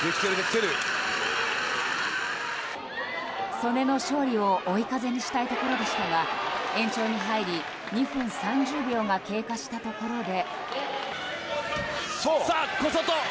素根の勝利を追い風にしたいところでしたが延長に入り２分３０秒が経過したところで。